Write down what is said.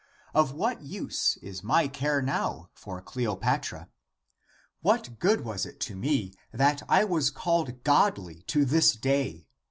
Of what use is my care now for Cleopatra ? What good was it to me, that I was called godly to this day